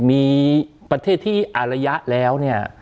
มีประเทศที่อารยะแล้ว